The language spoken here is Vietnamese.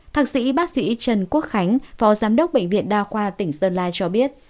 thạc sĩ bác sĩ trần quốc khánh phó giám đốc bệnh viện đa khoa tỉnh sơn la cho biết